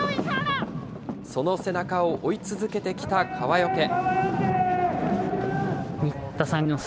その背中を追い続けてきた川除。